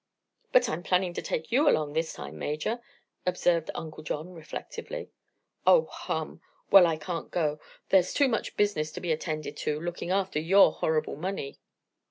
"But I'm planning to take you along, this time. Major," observed Uncle John reflectively. "Oh. Hum! Well, I can't go. There's too much business to be attended to looking after your horrible money."